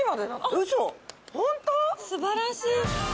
すばらしい！